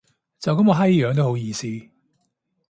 就噉個閪樣都好意思